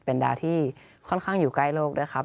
เป็นดาวที่ค่อนข้างอยู่ใกล้โลกด้วยครับ